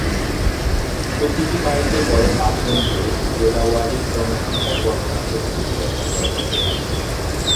প্রতিটি বাড়িতে গড়ে পাঁচ জন ধরে জেলাওয়ারি জনসংখ্যার গণনার পদ্ধতি ব্যবহার করা হতো।